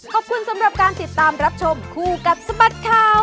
ขอบคุณสำหรับการติดตามรับชมคู่กับสบัดข่าว